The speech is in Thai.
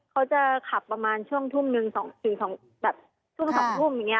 เขาจะขับประมาณช่วงทุ่ม๑๒ทุ่มอย่างนี้